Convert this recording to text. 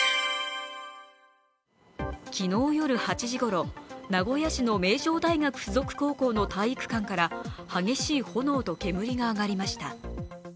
昨日夜８時ごろ、名古屋市の名城大学附属高校の体育館から激しい炎と煙が上がりました。